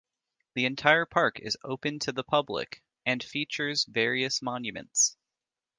The entire park is open to the public, and features various monuments.